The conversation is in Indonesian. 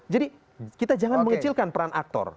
jadi kita jangan mengecilkan peran aktor